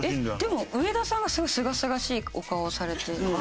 でも上田さんがすごいすがすがしいお顔をされて。